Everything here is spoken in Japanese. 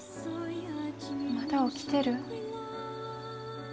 まだ起きてる？